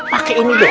pakai ini dong